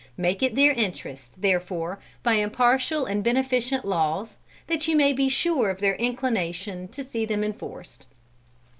Make it their interest, therefore, by impartial and beneficent laws, and you may be sure of their inclination to see them enforced."